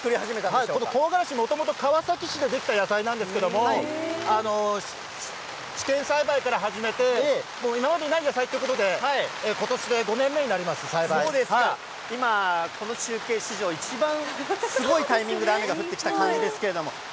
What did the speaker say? ちょっと香辛子、もともと川崎市で出来た野菜なんですけれども、試験栽培から始めて、今までにない野菜ということで、ことしで５今、この中継史上、一番すごいタイミングで雨が降ってきた感じですけれども。